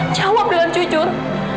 jawab dengan jujur